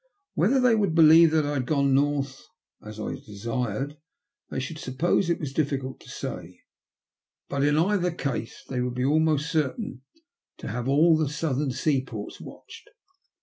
Whether they would believe that I had gone north, as I desired they should suppose, was difficult to say; but in either lis A STRANGE COINCIDENCE. 118 case they would be almost certain to have all the southern seaports watched.